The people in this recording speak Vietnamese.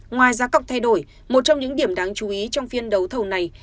ngoài giá cọc thay đổi một trong những điểm đáng chú ý trong phiên đấu thầu này